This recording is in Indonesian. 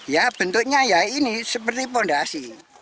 ya bentuknya ya ini seperti fondasi